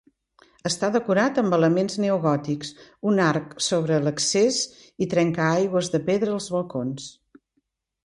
Està decorat amb elements neogòtics, un arc sobre l'accés i trencaaigües de pedra als balcons.